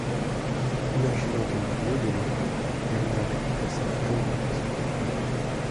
Imaginant tenir l'une et l'autre, Bernard étouffait sa femme contre sa poitrine.